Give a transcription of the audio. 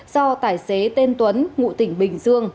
do tài xế tên tuấn ngụ tỉnh bình dương